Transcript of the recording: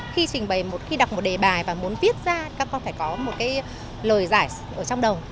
khi trình bày một khi đọc một đề bài và muốn viết ra các con phải có một cái lời giải ở trong đầu